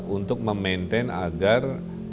untuk memaintain agar